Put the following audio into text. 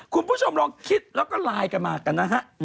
คุณผู้ชมลองคิดแล้วก็ไลน์กันมากันนะฮะ